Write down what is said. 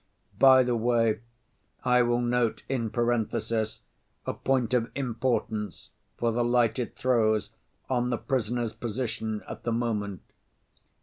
"By the way, I will note in parenthesis a point of importance for the light it throws on the prisoner's position at the moment.